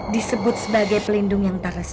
disebut sebagai pelindung yang tak resmi